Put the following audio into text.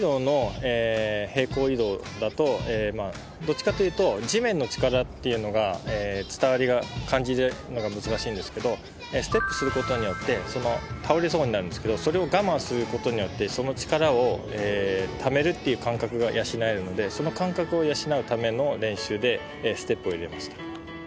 どっちかっていうと地面の力っていうのが感じるのが難しいんですけどステップすることによって倒れそうになるんですけどそれを我慢することによってその力をためるっていう感覚が養えるのでその感覚を養うための練習でステップを入れました。